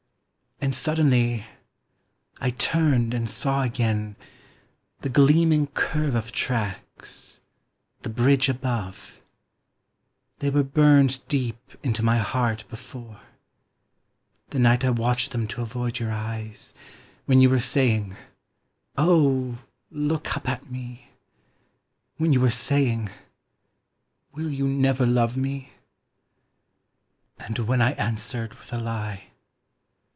And suddenly I turned and saw again The gleaming curve of tracks, the bridge above They were burned deep into my heart before, The night I watched them to avoid your eyes, When you were saying, "Oh, look up at me!" When you were saying, "Will you never love me?" And when I answered with a lie.